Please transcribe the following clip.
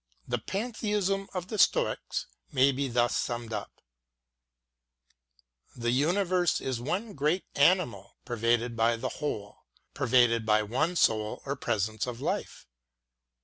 The Pantheism of the Stoics may be thus summed up : The universe is one great animal, pervaded by one soul or presence of life.